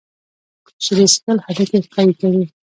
شیدې څښل هډوکي قوي کوي.